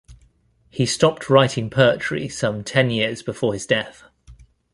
He stopped writing poetry some ten years before his death.